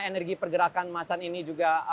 energi pergerakan macan ini juga